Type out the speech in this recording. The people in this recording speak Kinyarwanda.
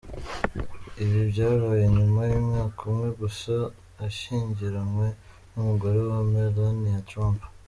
Ibi byabaye nyuma y’umwaka umwe gusa ashyingiranwe n’umugore we Melania Trump.